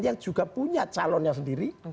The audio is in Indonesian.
yang juga punya calonnya sendiri